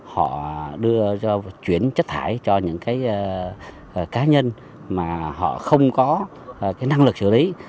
họ đưa cho chuyển chất thải cho những cá nhân mà họ không có năng lực xử lý